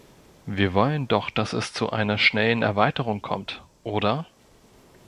Wir wollen doch, dass es zu einer schnellen Erweiterung kommt, oder?